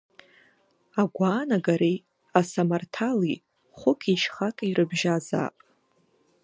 Агәаанагареи асамарҭали хәыкишьхаки рыбжьазаап.